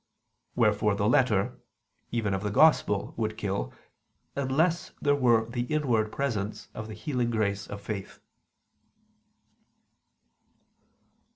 Wherefore the letter, even of the Gospel would kill, unless there were the inward presence of the healing grace of faith.